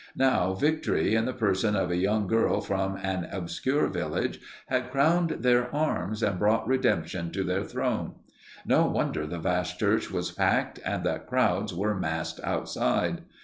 Now victory, in the person of a young girl from an obscure village, had crowned their arms and brought redemption to their throne. No wonder the vast church was packed, and that crowds were massed outside.